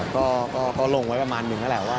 ก็ลงไว้ประมาณหนึ่งนั่นแหละ